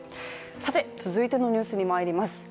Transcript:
続いてのニュースにまいります。